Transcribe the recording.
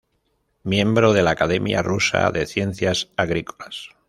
Miembro de la Academia Rusa de Ciencias Agrícolas.